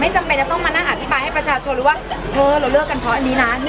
จำเป็นจะต้องมานั่งอธิบายให้ประชาชนรู้ว่าเธอเราเลิกกันเพราะอันนี้นะ